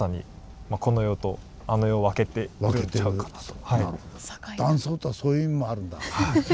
そこが断層とはそういう意味もあるんだ。